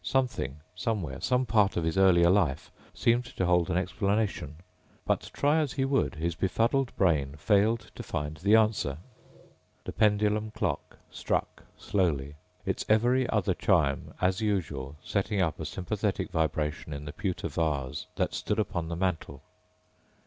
Something, somewhere, some part of his earlier life, seemed to hold an explanation. But try as he would his befuddled brain failed to find the answer. The pendulum clock struck slowly, its every other chime as usual setting up a sympathetic vibration in the pewter vase that stood upon the mantel.